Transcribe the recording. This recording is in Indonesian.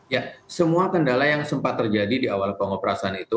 ya semua kendala yang sempat terjadi di awal pengoperasian itu